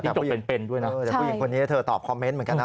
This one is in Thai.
ใช่แต่ผู้หญิงคนนี้เธอตอบคอมเมนต์เหมือนกันนะ